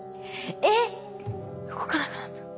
えっ動かなくなった。